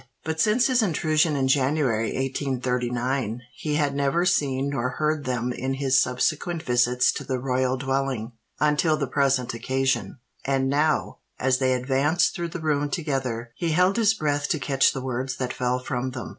But since his intrusion in January, 1839, he had never seen nor heard them in his subsequent visits to the royal dwelling, until the present occasion; and now, as they advanced through the room together, he held his breath to catch the words that fell from them.